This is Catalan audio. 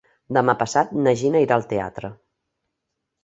Demà passat na Gina irà al teatre.